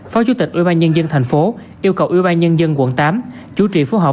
phó chủ tịch ủy ban nhân dân tp yêu cầu ủy ban nhân dân quận tám chủ trị phù hợp